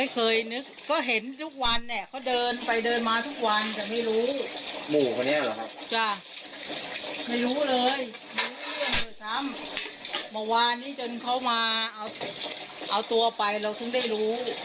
เพื่อนเข้ามาเอาตัวไปเราถึงได้รู้